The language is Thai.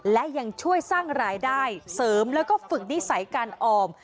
และยังช่วยสร้างรายได้เสริมแล้วก็ฝึกนิสัยการออม